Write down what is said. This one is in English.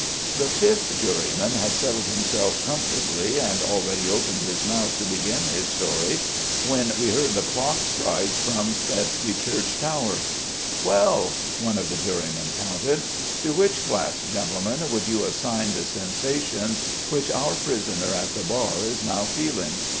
The fifth juryman had settled himself comfortably and already opened his mouth to begin his story, when we heard the dock striking from Spaisky Church tower. "Twelve...." one of the jurymen counted. "To which class, gentlemen, would you assign the sensations which our prisoner at the bar is now feeling?